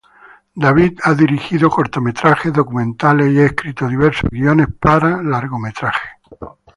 David ha dirigido cortometrajes, documentales y ha escrito diversos guiones para largometraje.